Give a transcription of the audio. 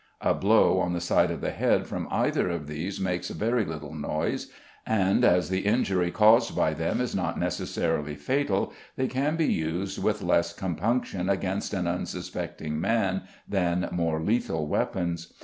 A blow on the side of the head from either of these makes very little noise, and, as the injury caused by them is not necessarily fatal, they can be used with less compunction against an unsuspecting man than more lethal weapons.